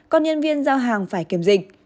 còn nhân viên giao hàng phải kiểm dịch